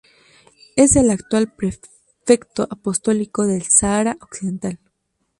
Es el actual Prefecto Apostólico del Sáhara Occidental.